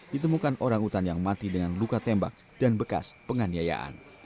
ditemukan orang utan yang mati dengan luka tembak dan bekas penganiayaan